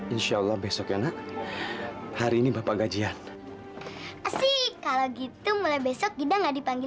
insya allah besok ya nak hari ini bapak gajian sih kalau gitu mulai besok gida nggak dipanggil